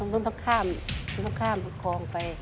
ต้องข้ามต้องข้ามต้องคลองไป